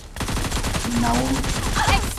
Nawm.